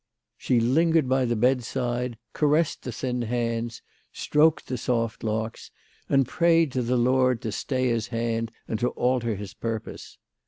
She lingered by the bedside, caressed the thin hands, stroked the soft locks, and prayed to the Lord to stay his hand, and to alter his purpose.